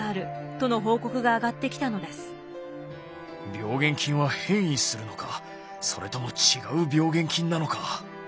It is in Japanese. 病原菌は変異するのかそれとも違う病原菌なのか。